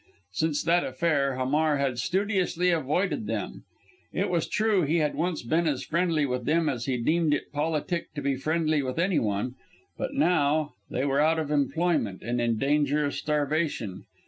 Since that affair Hamar had studiously avoided them. It was true he had once been as friendly with them as he deemed it politic to be friendly with any one; but now they were out of employment, and in danger of starvation.